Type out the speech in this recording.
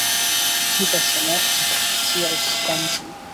ঠিক আছে, নেট - চিয়ার্স, বানজি।